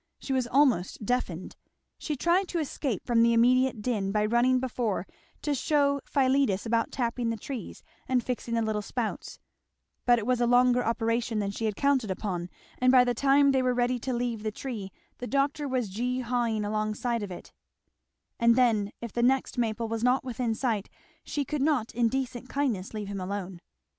She was almost deafened. She tried to escape from the immediate din by running before to shew Philetus about tapping the trees and fixing the little spouts, but it was a longer operation than she had counted upon, and by the time they were ready to leave the tree the doctor was gee hawing alongside of it; and then if the next maple was not within sight she could not in decent kindness leave him alone.